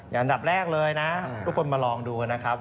อันดับแรกเลยนะทุกคนมาลองดูนะครับ